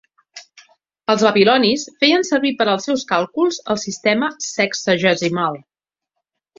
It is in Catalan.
Els babilonis feien servir per als seus càlculs el sistema sexagesimal.